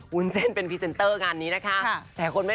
วุ้นเส้นเป็นพรีเซนเตอร์งานนี้นะคะ